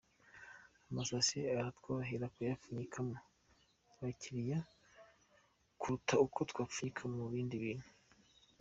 Amasashe aratworohera kuyapfunyikiramo abakiriya, kuruta uko twapfunyika mu bindi bintu .